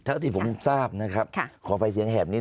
เท่าที่ผมทราบนะครับ